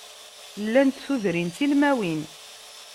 Llant tudrin ttilmawin.